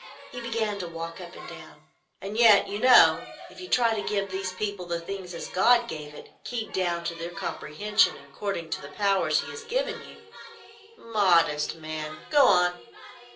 He began to walk up and down. "And yet, you know, if you try to give these people the thing as God gave it, keyed down to their comprehension and according to the powers He has given you——" "Modest man! Go on."